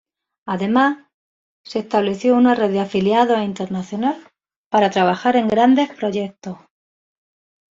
Además se estableció una red de afiliados internacional para trabajar en grandes proyectos.